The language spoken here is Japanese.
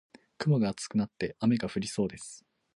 雲が厚くなって雨が降りそうです。